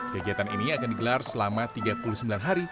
kegiatan ini akan digelar selama tiga puluh sembilan hari